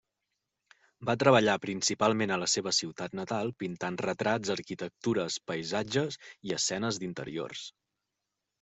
Va treballar principalment a la seva ciutat natal pintant retrats, arquitectures, paisatges i escenes d'interiors.